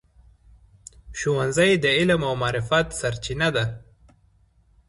ښوونځی د علم او معرفت سرچینه ده.